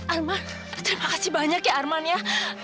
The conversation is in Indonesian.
arman terima kasih banyak ya arman ya